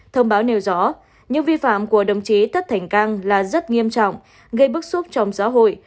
thông báo nêu rõ những vi phạm của đồng chí tất thành cang là rất nghiêm trọng gây bức xúc trong xã hội